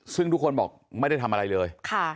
ซึ่งทุกคนบอกไม่ได้ทำอะไรเลย